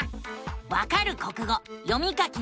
「わかる国語読み書きのツボ」。